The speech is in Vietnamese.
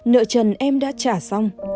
nợ trần em đã trả xong